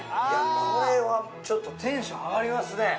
これはちょっとテンション上がりますね